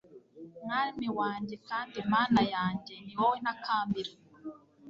mwami wanjye kandi mana yanjye, ni wowe ntakambira